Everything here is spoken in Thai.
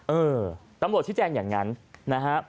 เออตำรวจชิดแจ้งอย่างนั้นนะฮะ